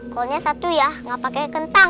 kolnya satu ya nggak pakai kentang